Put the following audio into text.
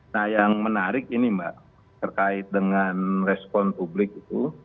nah yang menarik ini mbak terkait dengan respon publik itu